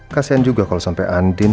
kasian juga kalau sampai andin